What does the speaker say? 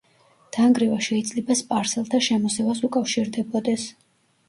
დანგრევა შეიძლება სპარსელთა შემოსევას უკავშირდებოდეს.